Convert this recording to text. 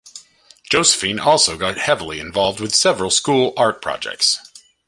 Josephine also got heavily involved with several school art projects.